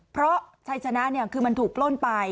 เพราะชัยชนะคือมันถูกปล้นไป